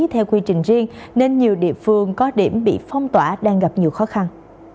theo quy trình riêng nên nhiều địa phương có điểm bị phong tỏa đang gặp nhiều khó khăn